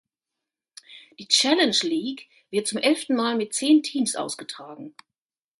Die Challenge League wird zum elften Mal mit zehn Teams ausgetragen.